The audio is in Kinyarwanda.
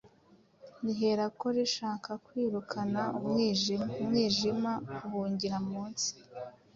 rihera ko rishaka kwirukana umwijima. Umwijima uhungira munsi.